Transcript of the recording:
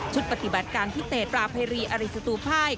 ชุดปฏิบัติการที่เตะตราไพรีอาริสตุภาย